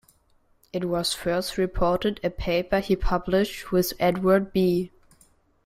It was first reported a paper he published, with Edward B.